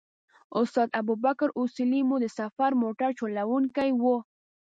استاد ابوبکر اصولي مو د سفر موټر چلوونکی و.